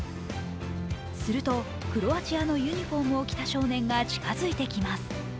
するとクロアチアのユニフォームを着た少年が近づいてきます。